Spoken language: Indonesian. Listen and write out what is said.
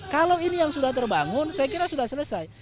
kalau ini yang sudah terbangun saya kira sudah selesai